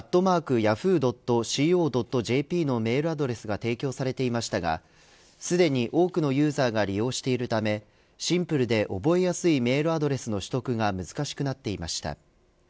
これまで＠ｙａｈｏｏ．ｃｏ．ｊｐのメールアドレスが提供されていましたがすでに多くのユーザーが利用しているためシンプルで覚えやすいメールアドレスの取得が難しくなっていました。